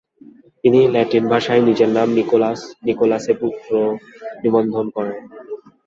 তিনি ল্যাটন ভাষায় নিজের নাম নিকোলাস, নিকোলাসে পুত্র নিবন্ধন করেন।